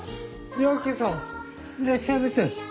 ようこそいらっしゃいませ。